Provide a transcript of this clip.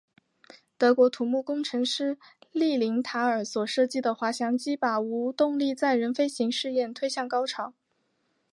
德国土木工程师利林塔尔所设计的滑翔机把无动力载人飞行试验推向高潮。